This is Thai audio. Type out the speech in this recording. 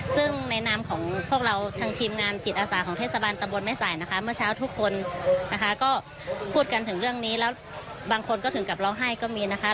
ซึ่งในนามของพวกเราทางทีมงานจิตอาสาของเทศบาลตะบนแม่สายนะคะเมื่อเช้าทุกคนนะคะก็พูดกันถึงเรื่องนี้แล้วบางคนก็ถึงกับร้องไห้ก็มีนะคะ